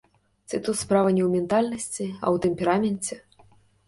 Ці тут справа не ў ментальнасці, а ў тэмпераменце?